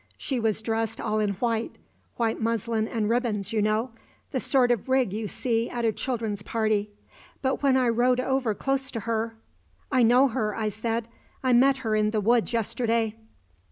She was dressed all in white white muslin and ribbons, you know the sort of rig you see at a children's party; but when I rowed over close to her " "I know her," I said. "I met her in the woods yesterday."